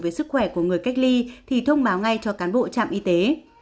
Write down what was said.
về sức khỏe của người cách ly thì thông báo ngay cho cán bộ trạm y tế